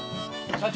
社長？